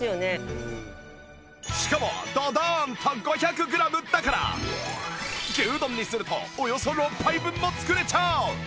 しかもドドーンと５００グラムだから牛丼にするとおよそ６杯分も作れちゃう！